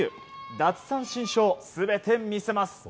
奪三振ショー、全て見せます！